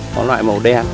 có loại màu đen